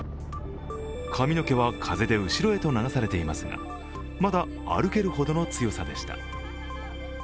髪の毛は風で後ろへと流されていますが、まだ歩けるほどの強さでした。